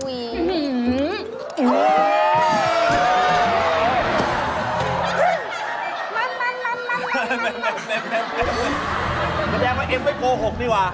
แสดงว่าเอ็มไม่โกหกดีกว่า